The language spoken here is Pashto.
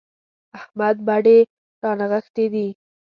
احمد بډې رانغښتې دي.